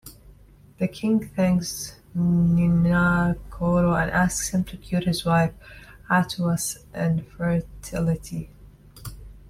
The king thanks Nianankoro and asks him to cure his wife Attou's infertility.